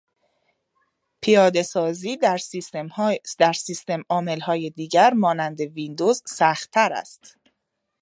پیادهسازی در سیستمعاملهای دیگر مانند ویندوز سختتر است.